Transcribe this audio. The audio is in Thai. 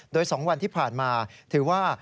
โดย๒วันที่ผ่านมาถือว่า